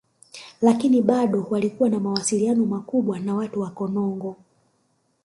Lakini bado walikuwa na mawasiliano makubwa na watu wa Konongo